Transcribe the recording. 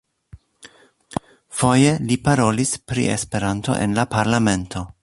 Foje li parolis pri Esperanto en la parlamento.